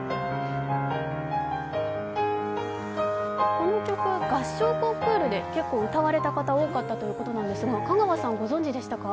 この曲、合唱コンクールで結構歌われた方が多いそうなんですが香川さん、ご存じでしたか？